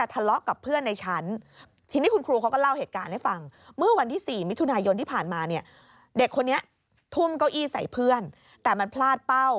ตอนนี้ทุ่มเก้าอี้ใส่เพื่อนแต่มันพลาดเป้า